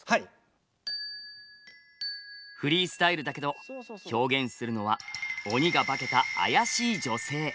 フリースタイルだけど表現するのは鬼が化けた怪しい女性！